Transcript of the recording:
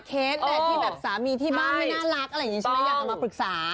เคสแบบที่แบบสามีที่บ้านไม่น่ารักอะไรอย่างนี้ใช่ไหมอยากจะมาปรึกษา